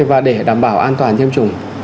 và để đảm bảo an toàn tiêm chủng